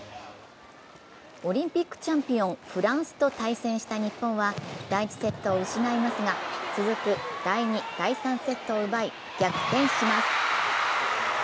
オリンピックチャンピオン、フランスと対戦した日本は第１セットを失いますが、続く第２、第３セットを奪い逆転します。